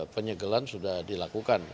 penyegelan sudah dilakukan